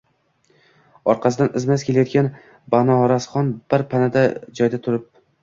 orqasidan izma-iz kelayotgan Banorasxon bir pana joydan turib: